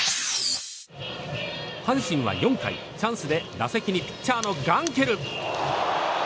阪神は４回、チャンスで打席にピッチャーのガンケル。